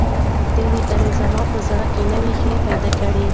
دې لیدنې زما په زړه کې نوې هیلې پیدا کړې.